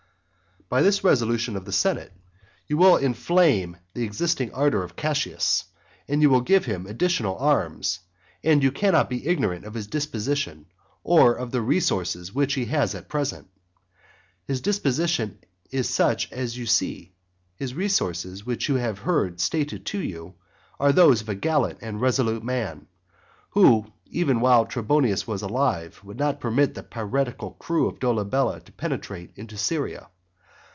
XIII. By this resolution of the senate you will inflame the existing ardour of Cassius, and you will give him additional arms; for you cannot be ignorant of his disposition, or of the resources which he has at present. His disposition is such as you see; his resources, which you have heard stated to you, are those of a gallant and resolute man, who, even while Trebonius was alive, would not permit the piratical crew of Dolabella to penetrate into Syria.